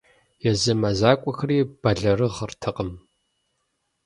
Езы мэзакӏуэхэри бэлэрыгъыртэкъым.